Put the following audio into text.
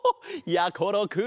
やころくん